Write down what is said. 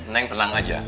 neng tenang aja